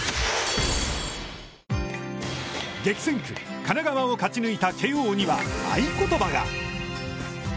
激戦区・神奈川を勝ち抜いた慶応には合言葉が。